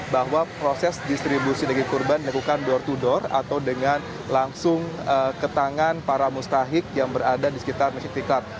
bahwa proses distribusi daging kurban dilakukan door to door atau dengan langsung ke tangan para mustahik yang berada di sekitar masjid istiqlal